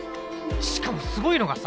しかもすごいのがさ。